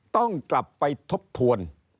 ต้องกลับไปทบทวน